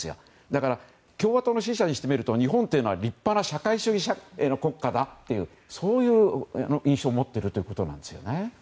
だから、共和党の支持者にしてみると日本は立派な社会主義の国家だという印象を持っているということなんですね。